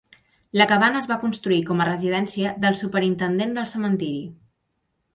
La cabana es va construir com a residència del superintendent del cementiri.